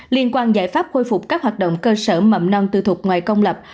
liên quan giải pháp khôi phục các hoạt động cơ sở mầm non tư thục ngoài công lập